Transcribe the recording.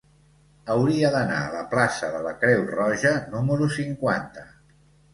Hauria d'anar a la plaça de la Creu Roja número cinquanta.